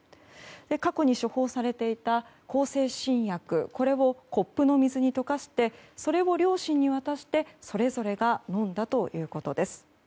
過去に処方されていた向精神薬をコップの水に溶かしてそれを両親に渡して、それぞれが飲んだということです。